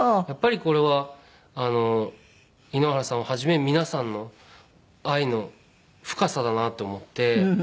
やっぱりこれは井ノ原さんをはじめ皆さんの愛の深さだなと思って。